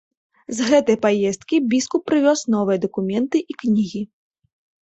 З гэтай паездкі біскуп прывёз новыя дакументы і кнігі.